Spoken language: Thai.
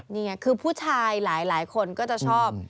นี่ไงคือผู้ชายหลายคนก็จะชอบ